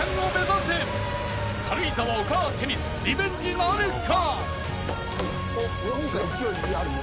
［軽井沢おかぁテニスリベンジなるか！？］